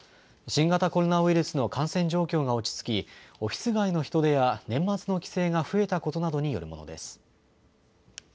新型コロナウイルスの感染状況が落ち着き、オフィス街の人出や、年末の帰省が増えたことなどによるものです。